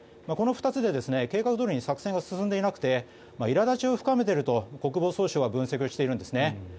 この２つで計画どおりに作戦が進んでいなくていら立ちを深めていると国防総省は分析しているんです。